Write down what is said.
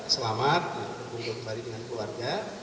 selamat untuk kembali dengan keluarga